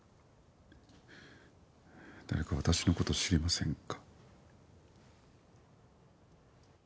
誰か私の事知りませんか？